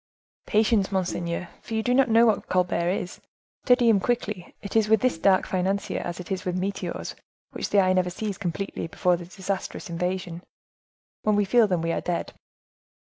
"Patience, monseigneur; for you do not know what Colbert is—study him quickly; it is with this dark financier as it is with meteors, which the eye never sees completely before their disastrous invasion; when we feel them we are dead."